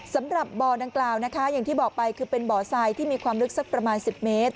สำหรับบ่อดังกล่าวนะคะอย่างที่บอกไปคือเป็นบ่อทรายที่มีความลึกสักประมาณ๑๐เมตร